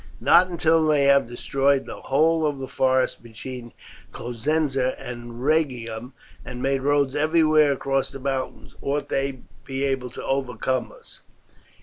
Not until they have destroyed the whole of the forests between Cosenza and Rhegium, and made roads everywhere across the mountains, ought they be able to overcome us.